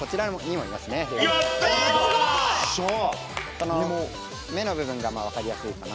この目の部分がまあ分かりやすいかな。